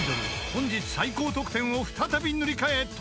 本日最高得点を再び塗り替えトップへ］